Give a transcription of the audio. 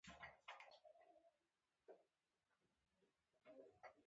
وسله د انسان دښمنه ده